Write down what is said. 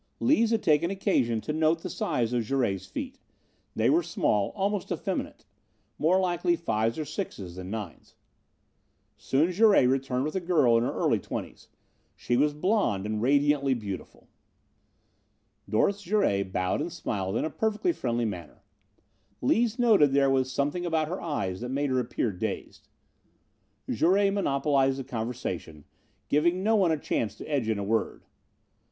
Lees had taken occasion to note the size of Jouret's feet. They were small, almost effeminate. More likely fives or sixes than nines. Soon Jouret returned with a girl in her early twenties. She was blond and radiantly beautiful. Doris Jouret bowed and smiled in a perfectly friendly manner. Lees noted that there was something about her eyes that made her appear dazed. Jouret monopolized the conversation, giving no one a chance to edge in a word.